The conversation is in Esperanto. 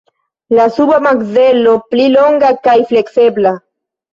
La suba makzelo pli longa kaj fleksebla.